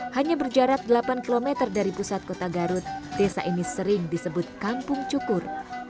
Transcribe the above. hanya berjarak delapan km dari pusat kota garut desa ini sering disebut kampung cukur